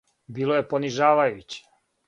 Било је понижавајуће.